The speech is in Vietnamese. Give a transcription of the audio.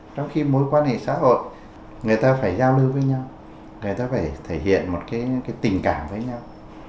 trong khi mối quan hệ xã hội người ta phải giao lưu với nhau người ta phải thể hiện một tình cảm với nhau